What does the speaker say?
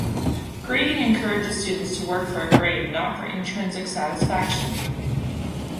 Grading encourages students to work for a grade and not for intrinsic satisfaction.